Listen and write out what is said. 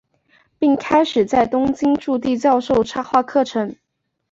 并开始在东京筑地教授插画课程。